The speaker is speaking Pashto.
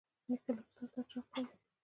نیکه له کتاب سره شوق لري.